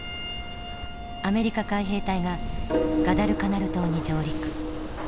アメリカ海兵隊がガダルカナル島に上陸。